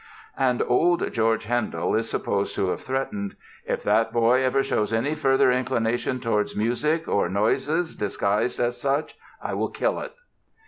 And old George Handel is supposed to have threatened: "If that boy ever shows any further inclination towards music or noises disguised as such, I will kill it!"